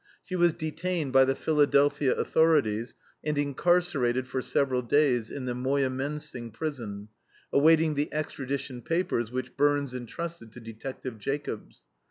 She was detained by the Philadelphia authorities and incarcerated for several days in the Moyamensing prison, awaiting the extradition papers which Byrnes intrusted to Detective Jacobs.